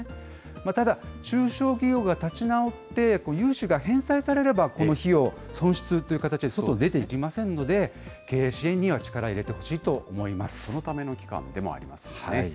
ただ、中小企業が立ち直って融資が返済されれば、この費用、損失という形で外、出ていきませんので、経営支援には力を入れてそのための機関でもありますよね。